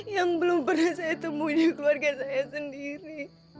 yang belum pernah saya temui keluarga saya sendiri